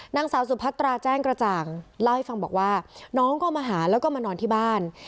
นางสาวสุพัตราแจ้งกระจ่างเล่าให้ฟังบอกว่าน้องก็มาหาแล้วก็มานอนที่บ้าน